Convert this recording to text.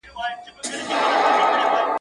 د ډاله ږغ له ليري ښه خوند کوي